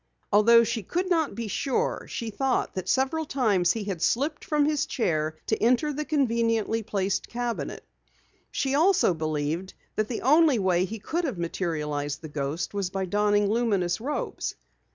Although she could not be sure, she thought that several times he had slipped from his chair to enter the conveniently placed cabinet. She also believed that the only way he could have materialized the ghost was by donning luminous robes.